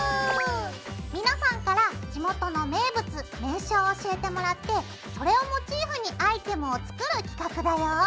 皆さんから地元の名物名所を教えてもらってそれをモチーフにアイテムを作る企画だよ！